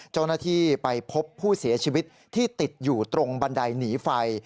เจ้าหน้าที่ไปพบผู้เสียชีวิตที่ติดอยู่ตรงบันไดหนีไฟ